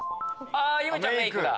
ゆめちゃんメイクだ。